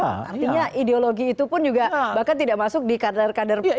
artinya ideologi itu pun juga bahkan tidak masuk di kader kader pdip